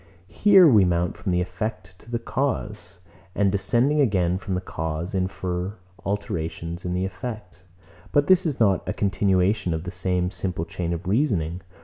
Here we mount from the effect to the cause; and descending again from the cause, infer alterations in the effect; but this is not a continuation of the same simple chain of reasoning.